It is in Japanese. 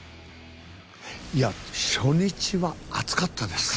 いや、初日は暑かったです。